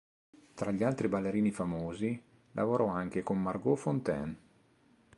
Tra gli altri ballerini famosi, lavorò anche con Margot Fonteyn.